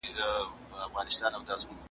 توبه لرم پر شونډو ماتوې یې او که نه .